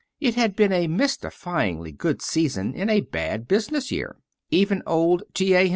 It had been a mystifyingly good season in a bad business year. Even old T. A.